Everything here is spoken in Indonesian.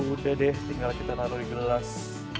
udah deh tinggal kita naruh di gelas